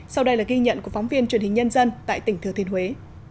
sau đây là ghi nhận của phóng viên truyền hình nhân dân tại tỉnh thừa thiên huế